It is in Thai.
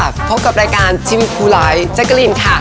พบกับรายการทีวีพูไลน์แจ๊กรีมค่ะ